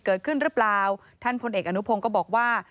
เกิดขึ้นหรือเปล่าท่านพลเอกอนุพงศ์ก็บอกว่า